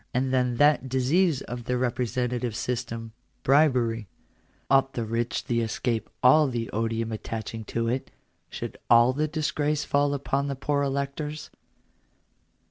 And then that disease of the representative system — bribery; ought the rich to escape all the odium attaching to it — should all the disgrace fall upon the poor electors